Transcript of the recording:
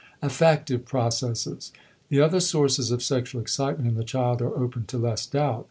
*Affective Processes.* The other sources of sexual excitement in the child are open to less doubt.